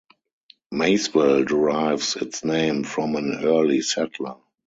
Maysville derives its name from an early settler.